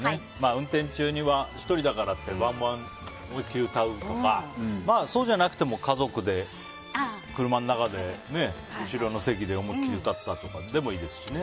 運転中に１人だからって思い切り歌うとかそうじゃなくても家族で車の中で後ろの席で思いっきり歌ったとかでもいいですしね。